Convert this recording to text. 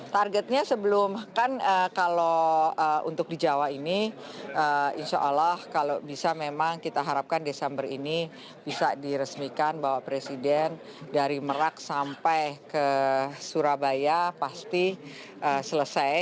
targetnya sebelum kan kalau untuk di jawa ini insya allah kalau bisa memang kita harapkan desember ini bisa diresmikan bapak presiden dari merak sampai ke surabaya pasti selesai